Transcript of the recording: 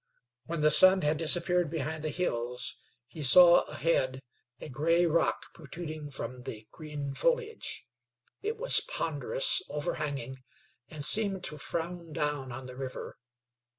When the sun had disappeared behind the hills, he saw ahead a gray rock protruding from the green foliage. It was ponderous, overhanging, and seemed to frown down on the river.